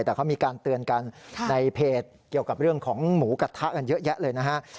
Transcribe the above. แต่เขามีการเตือนกันในเพจเกี่ยวกับเรื่องของหมูกระทะกันเยอะแยะเลยนะฮะ